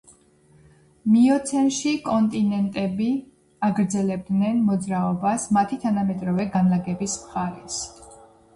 მიოცენში კონტინენტები აგრძელებდნენ მოძრაობას მათი თანამედროვე განლაგების მხარეს.